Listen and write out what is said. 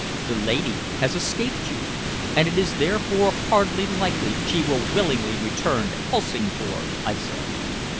"The lady has escaped you, and it is therefore hardly likely she will willingly return to Helsingfors," I said.